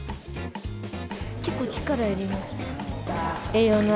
結構力いります。